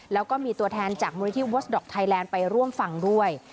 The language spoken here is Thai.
แล้วก็มีตัวแทนจากมูลนิธิเวิร์สดอกไทยแลนด์ไปร่วมฟังด้วย